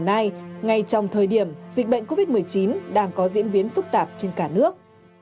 ngay trong thời điểm dịch bệnh covid một mươi chín đang có diễn biến phức tạp trên cả nước